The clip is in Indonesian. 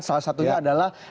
salah satunya adalah